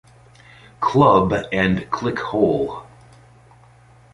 Club" and "ClickHole".